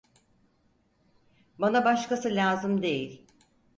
Bana başkası lazım değil…